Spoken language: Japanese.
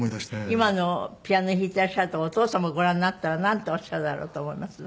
今のピアノ弾いてらっしゃるとこお父様ご覧になったらなんとおっしゃるだろうと思います？